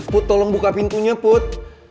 put tolong buka pintunya put